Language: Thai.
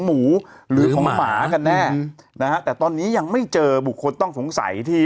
หมูหรือของหมากันแน่นะฮะแต่ตอนนี้ยังไม่เจอบุคคลต้องสงสัยที่